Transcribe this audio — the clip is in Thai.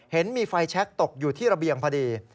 เห็นมีไฟแชคตกอยู่ที่ระเบียงพอดี